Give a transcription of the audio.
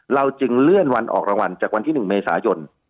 เราจึงเลื่อนวันออกรางวัลจากวันที่๑เมษายน